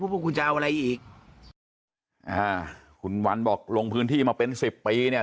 พวกคุณจะเอาอะไรอีกอ่าคุณวันบอกลงพื้นที่มาเป็นสิบปีเนี่ย